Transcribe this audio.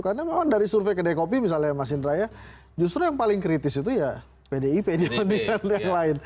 karena memang dari survei ke dekopi misalnya mas indra ya justru yang paling kritis itu ya pdip diantara yang lain